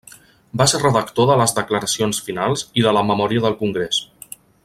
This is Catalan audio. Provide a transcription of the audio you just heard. Va ser redactor de les declaracions finals i de la memòria del congrés.